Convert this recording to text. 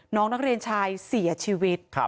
น้องนักเรียนชายเสียชีวิต